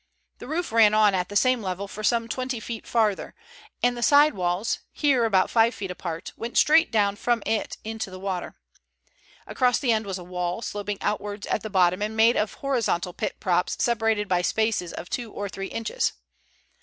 The roof ran on at the same level for some twenty feet farther, and the side walls, here about five feet apart, went straight down from it into the water. Across the end was a wall, sloping outwards at the bottom and made of horizontal pit props separated by spaces of two or three inches.